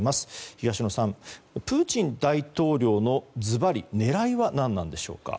東野さん、プーチン大統領の狙いは何なのでしょうか。